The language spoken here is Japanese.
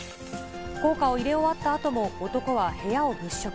硬貨を入れ終わったあとも男は部屋を物色。